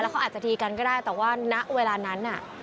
เขาอาจจะทีกันก็ได้แต่ว่าณเวลานั้นน่ะ